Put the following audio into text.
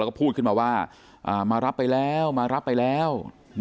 แล้วก็พูดขึ้นมาว่ามารับไปแล้วมารับไปแล้ว